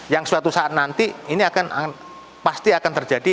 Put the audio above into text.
yang suatu saat nanti ini akan pasti akan terjadi